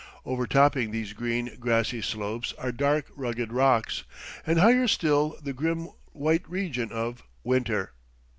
Overtopping these green, grassy slopes are dark, rugged rocks, and higher still the grim white region of winter.